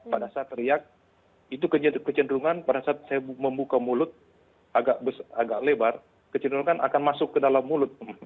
pada saat teriak itu kecenderungan pada saat saya membuka mulut agak lebar kecenderungan akan masuk ke dalam mulut